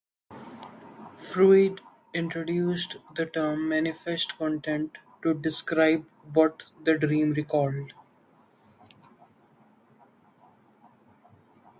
Freud introduced the term 'manifest content' to describe what the dream recalled.